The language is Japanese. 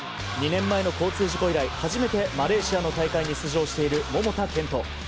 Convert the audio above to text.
２年前の交通事故以来初めてマレーシアの大会に出場している桃田賢斗。